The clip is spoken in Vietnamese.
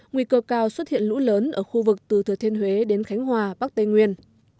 nguy cơ cao xuất hiện lũ lớn ở khu vực từ thừa thiên huế đến khánh hòa bắc tây nguyên